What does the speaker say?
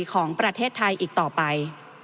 ของประเทศไทยอีกต่อไป